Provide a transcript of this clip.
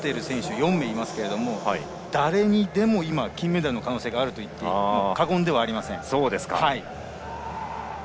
４名いますが誰にでも今、金メダルの可能性があるといっても過言ではありません。